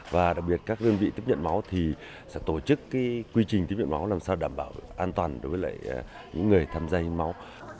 và đặc biệt các đơn vị tiếp nhận máu thì sẽ tổ chức quy trình tiếp nhận máu làm sao đảm bảo an toàn đối với những người tham gia hiến máu